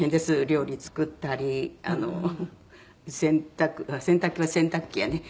料理作ったり洗濯洗濯は洗濯機やね。